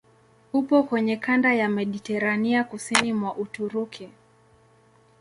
Upo kwenye kanda ya Mediteranea kusini mwa Uturuki.